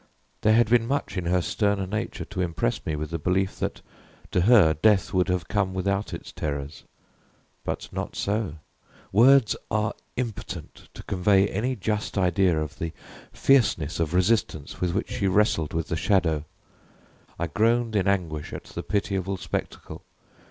There had been much in her stern nature to impress me with the belief that, to her, death would have come without its terrors; but not so. Words are impotent to convey any just idea of the fierceness of resistance with which she wrestled with the Shadow. I groaned in anguish at the pitiable spectacle.